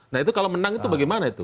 nah itu kalau menang itu bagaimana itu